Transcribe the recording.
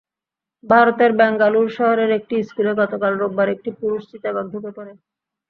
ভারতের বেঙ্গালুরু শহরের একটি স্কুলে গতকাল রোববার একটি পুরুষ চিতাবাঘ ঢুকে পড়ে।